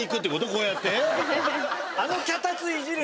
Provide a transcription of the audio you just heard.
こうやって？